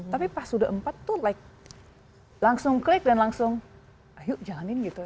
tapi pas udah empat tuh like langsung klik dan langsung ayo jalanin gitu